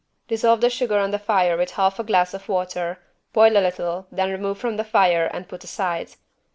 Dissolve the sugar on the fire with half a glass of water, boil a little, then remove from the fire and put aside.